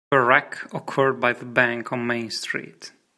The wreck occurred by the bank on Main Street.